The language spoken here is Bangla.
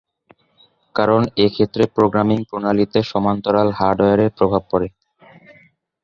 কারণ এক্ষেত্রে প্রোগ্রামিং প্রণালীতে সমান্তরাল হার্ডওয়্যারের প্রভাব পড়ে।